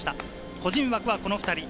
個人枠はこの２人。